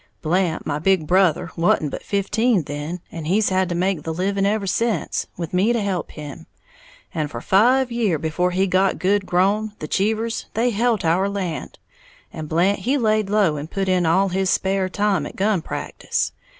Blant, my big brother, wa'n't but fifteen then, and he's had to make the living ever sence, with me to help him. And for five year' before he got good grown, the Cheevers they helt our land, and Blant he laid low and put in all his spare time at gun practice.